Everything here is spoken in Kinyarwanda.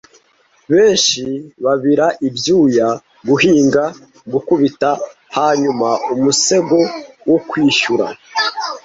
Benshi babira ibyuya, guhinga, gukubita, hanyuma umusego wo kwishyura,